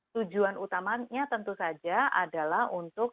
tujuan utamanya tentu saja adalah untuk